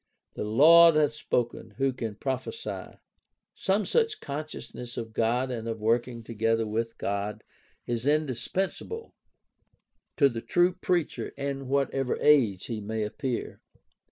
"The Lord hath spoken; who can but prophesy?" Some such consciousness of God and of working together with God is indispensable to the true preacher in whatever age he may appear.